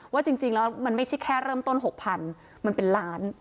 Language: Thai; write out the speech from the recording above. ว่าจริงแล้วมันไม่ใช่แค่เริ่มต้น๖๐๐๐มันเป็นล้าน